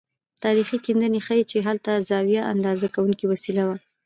تاریخي کیندنې ښيي چې هلته زاویه اندازه کوونکې وسیله وه.